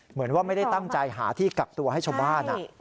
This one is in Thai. เหมือนว่าไม่ได้ตั้งใจหาที่กักตัวให้ชาวบ้าน